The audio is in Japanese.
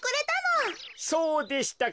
そうでしたか。